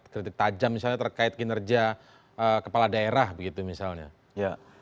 kritik tajam misalnya terkait kinerja kepala daerah begitu misalnya